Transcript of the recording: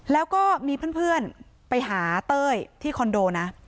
แล้วก็มีเพื่อนไปหาเต้ยที่คอนโดนะ